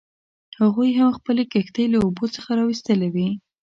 هغوی هم خپلې کښتۍ له اوبو څخه راویستلې وې.